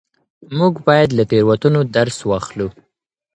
موږ بايد له تېروتنو درس واخلو.